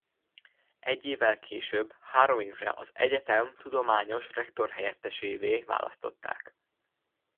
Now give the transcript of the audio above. Egy évvel később három évre az egyetem tudományos rektorhelyettesévé választották.